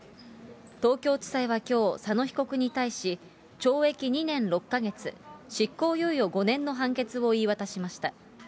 東京地裁はきょう、佐野被告に対し、懲役２年６か月、執行猶予５年の判決を言い渡しました。